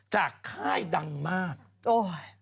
จากกระแสของละครกรุเปสันนิวาสนะฮะ